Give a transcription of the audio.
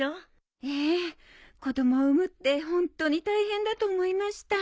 ええ子供産むってホントに大変だと思いました。